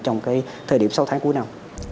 trong cái thời điểm sáu tháng cuối năm